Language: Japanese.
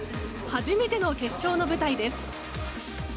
初めての決勝の舞台です。